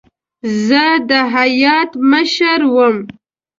زه د هیات مشر وم.